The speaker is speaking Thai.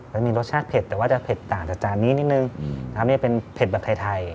มันมีรสชาติเผ็ดแต่ว่าจะเผ็ดต่างจากจานนี้นิดนึงน้ำจะเป็นเผ็ดแบบไทย